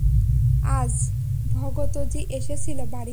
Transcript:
আজ, ভগতজি এসেছিল বাড়িতে।